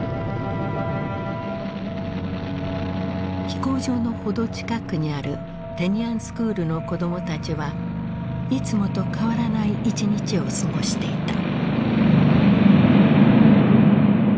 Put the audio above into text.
飛行場の程近くにあるテニアンスクールの子供たちはいつもと変わらない一日を過ごしていた。